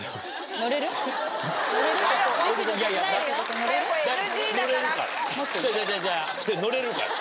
乗れるから。